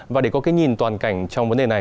và để có cái nhìn toàn cảnh trong vấn đề này